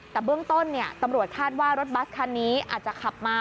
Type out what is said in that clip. แต่เบื้องต้นตำรวจคาดว่ารถบัสคันนี้อาจจะขับมา